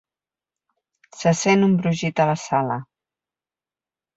Se sent un brogit a la sala.